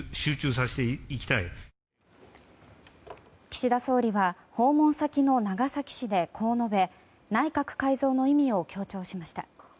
岸田総理は訪問先の長崎市でこう述べ内閣改造の意味を強調しました。